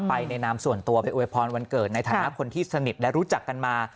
ไปในนามส่วนตัวไปอวยพรวันเกิดในฐานะคนที่สนิทและรู้จักกันมา